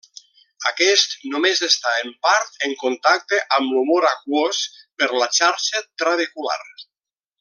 Aquest només està en part en contacte amb l'humor aquós per la xarxa trabecular.